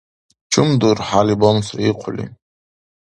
Чум дурхӀяли бамсри ихъули?